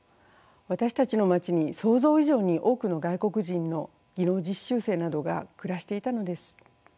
私たちの町に想像以上に多くの外国人の技能実習生などが暮らしていたのです。